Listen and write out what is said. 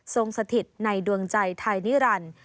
สถิตในดวงใจไทยนิรันดิ์